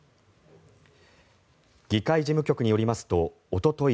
議会事務局によりますとおととい